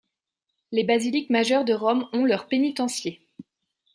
Les basiliques majeures de Rome ont leur pénitencier.